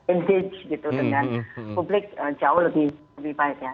engage gitu dengan publik jauh lebih baik ya